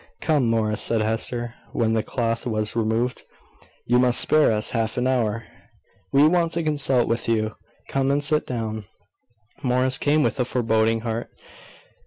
"Come, Morris," said Hester, when the cloth was removed; "you must spare us half an hour. We want to consult with you. Come and sit down." Morris came, with a foreboding heart.